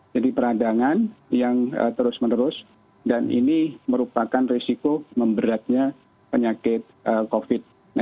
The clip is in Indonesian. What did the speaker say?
peradangan yang terus menerus dan ini merupakan risiko memberatnya penyakit covid sembilan belas